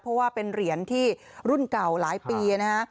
เพราะว่าเป็นเหรียญที่รุ่นเก่าหลายปีนะฮะ